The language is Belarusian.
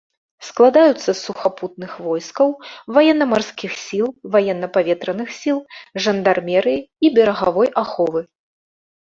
Складаюцца з сухапутных войскаў, ваенна-марскіх сіл, ваенна-паветраных сіл, жандармерыі і берагавой аховы.